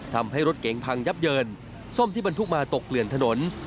ทำให้รถเกงพังยับเยินซ่อมที่มันทุกมาตกเปลี่ยนถนน